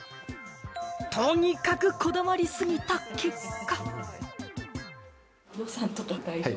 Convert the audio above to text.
とにかくこだわりすぎた結果。